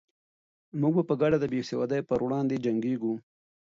موږ به په ګډه د بې سوادۍ پر وړاندې جنګېږو.